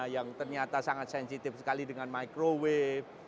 yang ternyata sangat sensitif sekali dengan microwave